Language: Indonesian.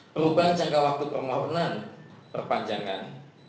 perubahan jangka waktu permohonan perpanjangan